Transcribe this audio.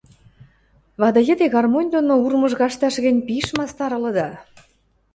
Вады йӹде гармонь доно урмыж кашташ гӹнь пиш мастар ылыда...